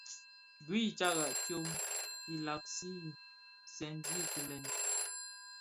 Bui i tagà byom,i làgsi senji kilel.